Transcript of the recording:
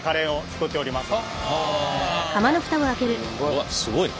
うわっすごいな。